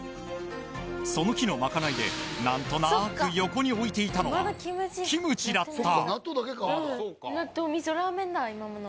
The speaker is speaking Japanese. その日のまかないで何となく横に置いていたのはキムチだった！